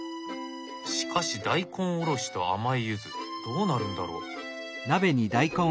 しかし大根おろしと甘いユズどうなるんだろう？